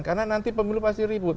karena nanti pemilu pasti ribut